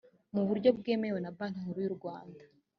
mu buryo bwemewe na banki nkuru y urwanda